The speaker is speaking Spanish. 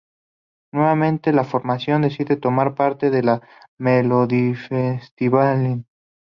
Nuevamente la formación decide tomar parte en el Melodifestivalen.